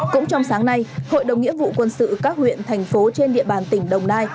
cũng trong sáng nay hội đồng nghĩa vụ quân sự các huyện thành phố trên địa bàn tỉnh đồng nai